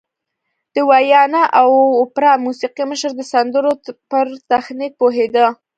د ویانا د اوپرا موسیقي مشر د سندرو پر تخنیک پوهېده